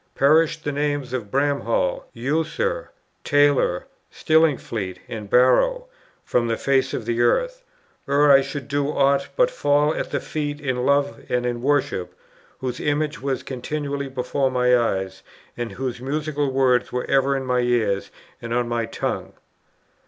perish the names of Bramhall, Ussher, Taylor, Stillingfleet, and Barrow from the face of the earth, ere I should do ought but fall at their feet in love and in worship, whose image was continually before my eyes, and whose musical words were ever in my ears and on my tongue!"